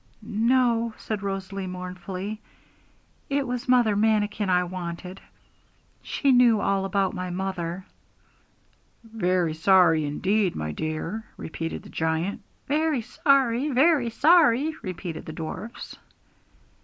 'No,' said Rosalie mournfully. 'It was Mother Manikin I wanted; she knew all about my mother.' 'Very sorry indeed, my dear,' repeated the giant 'Very sorry, very sorry!' re echoed the dwarfs.